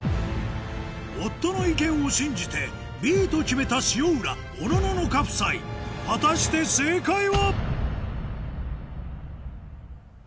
夫の意見を信じてＢと決めた塩浦・おのののか夫妻果たして正解は？